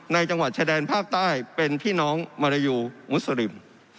ในจังหวัดชะแดนภาคใต้เป็นพี่น้องมรยาโยมุศลิม